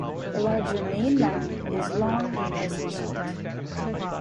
The larger main mound is long and crescent-shaped.